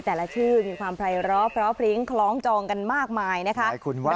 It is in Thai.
แต่ละชื่อมีความไพร้อเพราะพริ้งคล้องจองกันมากมายนะคะ